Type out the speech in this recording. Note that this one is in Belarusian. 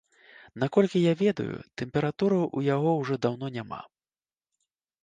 Наколькі я ведаю, тэмпературы ў яго ўжо даўно няма.